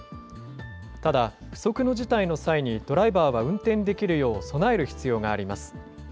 ただ、不測の事態の際に、ドライバーは運転できるよう備える必要があります。